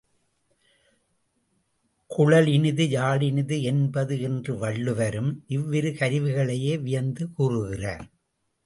குழல் இனிது யாழ் இனிது என்ப என்று வள்ளுவரும் இவ்விரு கருவிகளையே வியந்து கூறுகிறார்.